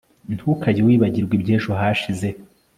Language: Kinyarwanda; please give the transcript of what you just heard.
ntukajye wibagirwa iby'ejo hashize